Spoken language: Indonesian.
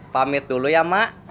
pamit dulu ya mak